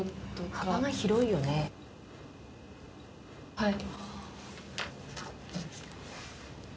はい。